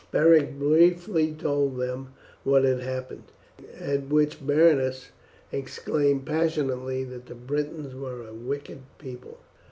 Beric briefly told them what had happened, at which Berenice exclaimed passionately that the Britons were a wicked people.